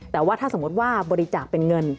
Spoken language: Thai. แต่ว่าถ้าสมมุติว่าบริจาคเป็นเงิน